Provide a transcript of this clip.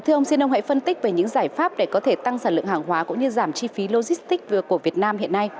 thưa ông xin ông hãy phân tích về những giải pháp để có thể tăng sản lượng hàng hóa cũng như giảm chi phí logistics của việt nam hiện nay